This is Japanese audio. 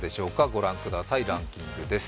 ご覧ください、ランキングです。